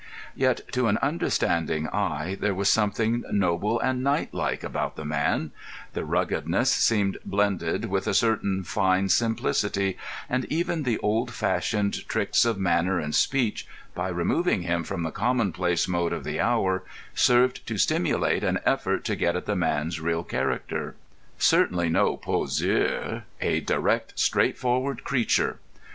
Yet, to an understanding eye, there was something noble and knightlike about the man; the ruggedness seemed blended with a certain fine simplicity, and even the old fashioned tricks of manner and speech, by removing him from the commonplace mode of the hour, served to stimulate an effort to get at the man's real character. Certainly no poseur—a direct, straightforward creature.